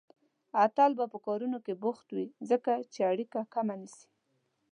اتل به په کارونو کې بوخت وي، ځکه چې اړيکه کمه نيسي